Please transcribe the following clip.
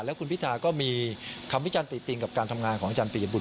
แล้วคุณพิธาก็มีคำวิจันติติงกับการทำงานของอาจารย์ปียบุต